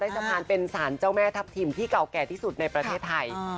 สะพานเป็นสารเจ้าแม่ทัพทิมที่เก่าแก่ที่สุดในประเทศไทย